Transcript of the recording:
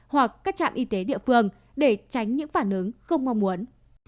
hoặc các trạm y tế địa phương để tránh những phản ứng không mong muốn